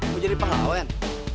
mau jadi panglawan